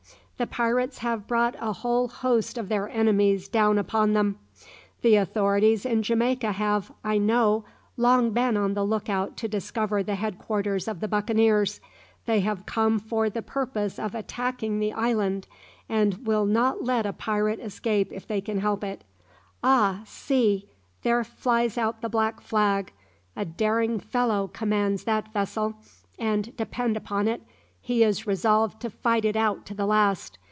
The pirates have brought a whole host of their enemies down upon them. The authorities in Jamaica have, I know, long been on the look out to discover the head quarters of the buccaneers. They have come for the purpose of attacking the island, and will not let a pirate escape if they can help it. Ah, see, there flies out the black flag! A daring fellow commands that vessel, and, depend upon it, he is resolved to fight it out to the last.